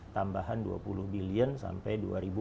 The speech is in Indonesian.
tambahan dua puluh billion sampai